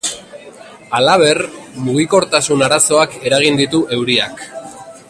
Halaber, mugikortasun arazoak eragin ditu euriak.